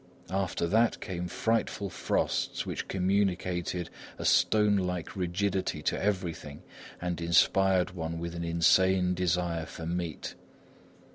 After that, came frightful frosts which communicated a stone like rigidity to everything and inspired one with an insane desire for meat.